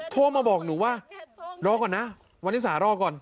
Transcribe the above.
โทรมาบอกหนูว่ารอก่อนนะวันที่สารอก่อน